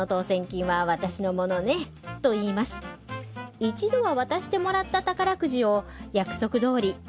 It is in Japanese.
一度は渡してもらった宝くじを約束どおり分けてもらえないの？